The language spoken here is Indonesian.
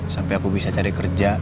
sampai aku bisa cari kerja